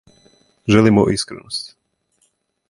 Желимо искреност.